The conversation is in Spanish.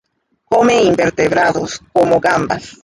Come invertebrados, como gambas.